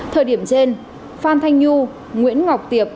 thời điểm trên phan thanh nhu nguyễn ngọc tiệp